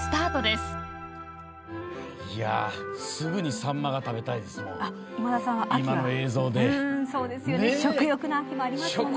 すぐにさんまが食べたいですもん。